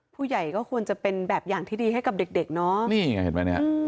ผู้ใหญ่ก็ควรจะเป็นแบบอย่างที่ดีให้กับเด็กนะ